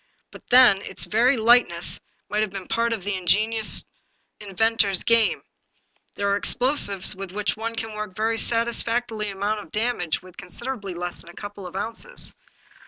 But then its very lightness might have been part of the in genious inventor's little game. There are explosives with which one can work a very satisfactory amount of damage with considerably less than a couple of ounces.